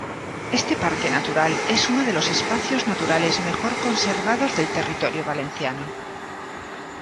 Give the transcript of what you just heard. Este parque natural es uno de los espacios naturales mejor conservados del territorio valenciano.